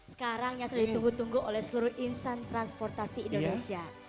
sekarang yang sudah ditunggu tunggu oleh seluruh insan transportasi indonesia